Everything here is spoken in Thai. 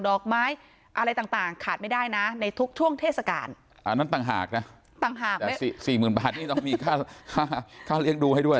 ดอกไม้อะไรต่างขาดไม่ได้นะในทุกช่วงเทศกาลอันนั้นต่างหากนะต่างหากแต่สี่หมื่นบาทนี่ต้องมีค่าเลี้ยงดูให้ด้วย